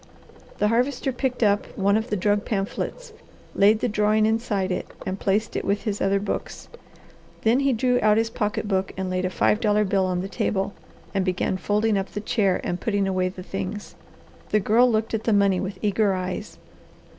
The Harvester picked up one of the drug pamphlets, laid the drawing inside it, and placed it with his other books. Then he drew out his pocket book and laid a five dollar bill on the table and began folding up the chair and putting away the things. The Girl looked at the money with eager eyes.